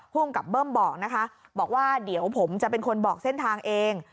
ภูมิกับเบิ้มบอกนะคะบอกว่าเดี๋ยวผมจะเป็นคนบอกเส้นทางเอง